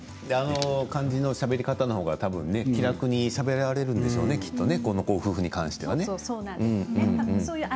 あの感じのしゃべり方のほうが気楽にしゃべられるんでしょうね、このご夫婦に関しては。